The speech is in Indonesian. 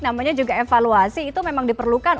namanya juga evaluasi itu memang diperlukan